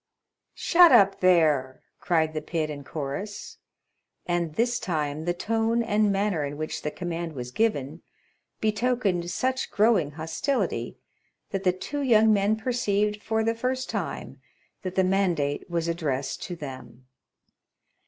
"Shut up, there!" cried the pit in chorus. And this time the tone and manner in which the command was given, betokened such growing hostility that the two young men perceived, for the first time, that the mandate was addressed to them.